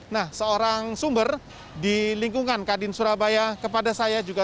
nah seorang sumber di lingkungan kadin surabaya